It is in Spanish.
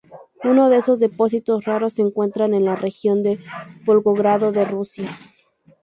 Uno de esos depósitos raros se encuentra en la región de Volgogrado de Rusia.